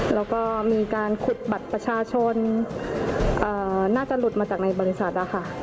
แล้วก็มีการขุดบัตรประชาชนน่าจะหลุดมาจากในบริษัทนะคะ